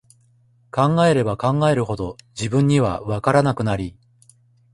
考えれば考えるほど、自分には、わからなくなり、